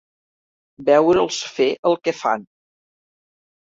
Veure'ls fer el que fan.